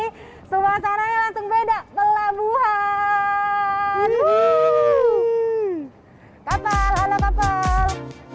hai semuanya langsung beda pelabuhan wuih kapal kapal